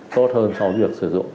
tốt hơn so với việc sử dụng x quang